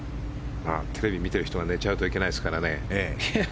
テレビを見ている人が寝ちゃうといけないですからね。